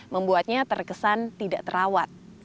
membuatnya terkesan tidak terawat